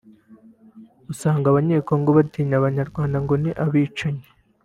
usanga abanyekongo batinya abanyarwanda ngo ni abicanyi